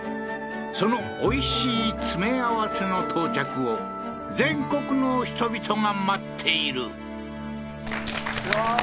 そのおいしい詰め合わせの到着を全国の人々が待っているいやー